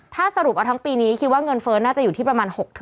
ถ้าสรุปเอาทั้งปีนี้คิดว่าเงินเฟ้อน่าจะอยู่ที่ประมาณ๖๐๐